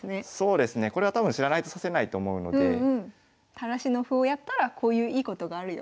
垂らしの歩をやったらこういういいことがあるよと。